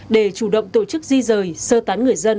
để chủ động tổ chức di rời sơ tán người dân